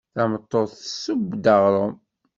Tameṭṭut tessew-d aɣṛum.